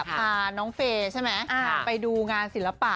พาน้องเฟย์ไปดูงานศิลปะ